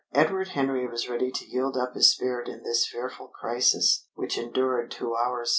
Edward Henry was ready to yield up his spirit in this fearful crisis, which endured two hours.